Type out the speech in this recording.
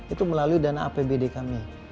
itu melalui dana apbd kami